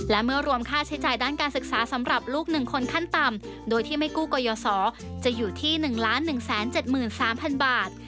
และเมื่อรวมค่าใช้จ่ายด้านการศึกษาสำหรับลูก๑คนขั้นต่ำโดยที่ไม่กู้ก่อยสอจะอยู่ที่๑๑๗๓๐๐๐บาท